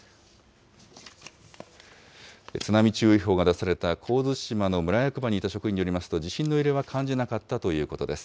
津波注意報が出された神津島の村役場にいた職員によりますと、地震の揺れは感じなかったということです。